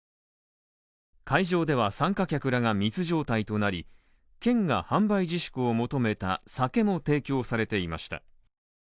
会場では参加客らが密状態となり県が販売自粛を求めた酒も提供されていました。